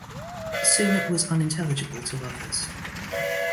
Soon it was unintelligible to others.